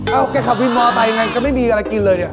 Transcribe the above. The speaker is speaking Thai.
เอ้าแกขับวินบอลไปอย่างงั้นก็ไม่มีอะไรกินเลยเนี่ย